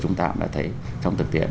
chúng ta đã thấy trong thực tiễn